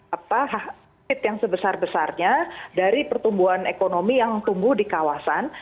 apa hasil yang sebesar besarnya dari pertumbuhan ekonomi yang tumbuh di kawasan